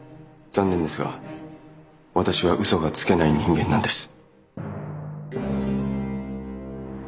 残念ですが私は嘘がつけない人間なんです。